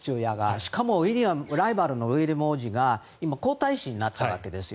しかもライバルのウィリアム王子が皇太子になったわけです。